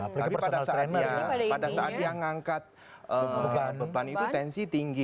pada saat dia ngangkat beban itu tensi tinggi